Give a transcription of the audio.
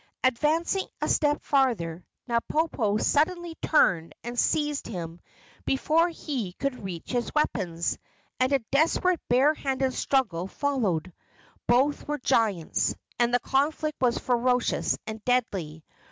Advancing a step farther, Napopo suddenly turned and seized him before he could reach his weapons, and a desperate bare handed struggle followed. Both were giants, and the conflict was ferocious and deadly.